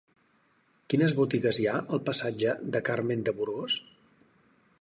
Quines botigues hi ha al passatge de Carmen de Burgos?